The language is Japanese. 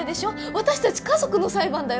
私たち家族の裁判だよ。